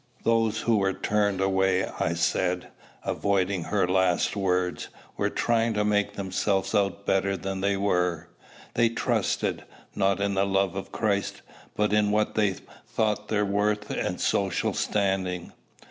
"Those who were turned away," I said, avoiding her last words, "were trying to make themselves out better than they were: they trusted, not in the love of Christ, but in what they thought their worth and social standing.